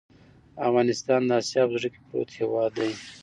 افغانستان د آسیا په زړه کې پروت هېواد دی.